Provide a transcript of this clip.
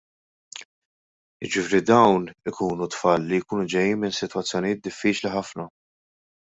Jiġifieri dawn ikunu tfal li jkunu ġejjin minn sitwazzjonijiet diffiċli ħafna.